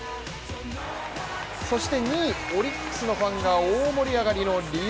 そして２位・オリックスのファンが大盛り上がりの理由。